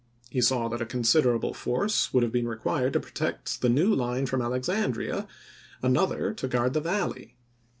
He saw that a considerable force would have been required to protect the new line from Alexandria, another to guard the Valley.